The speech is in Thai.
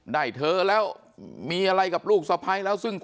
ได้เธอแล้วมีอะไรกับลูกทรัพย์แล้ว